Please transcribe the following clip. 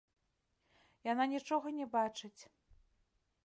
Яна нічога не бачыць.